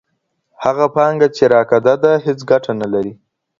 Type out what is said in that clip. هغه پانګه چې راکده ده هیڅ ګټه نلري.